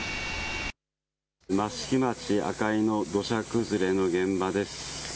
益城町赤井の土砂崩れの現場です。